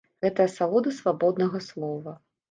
Гэта асалода свабоднага слова!